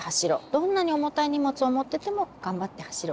どんなに重たい荷物を持ってても頑張って走ろうね。